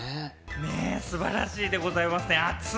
ねぇ、素晴らしいでございますね。